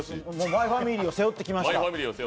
「マイファミリー」を背負ってきました。